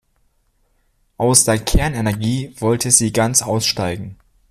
Aus der Kernenergie wollte sie ganz aussteigen.